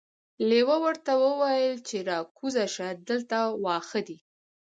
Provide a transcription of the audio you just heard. لیوه ورته وویل چې راکوزه شه دلته واښه دي.